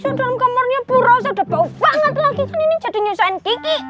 ikan busu dalam kamarnya purwosa udah bau banget lagi kan ini jadi nyusahin kiki